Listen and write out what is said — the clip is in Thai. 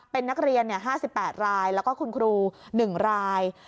เป็นนักเรียน๕๘รายแล้วก็คุณครู๑ราย